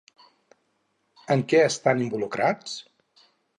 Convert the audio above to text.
En què estan involucrats?